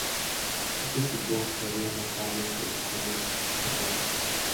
Éste equipo crearía más tarde el protocolo Ethernet.